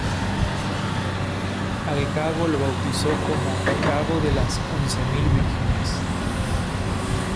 Al cabo lo bautizó como "cabo de las Once mil Vírgenes".